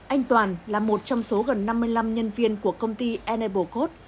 anh toàn là một trong số gần năm mươi năm nhân viên của công ty enablecode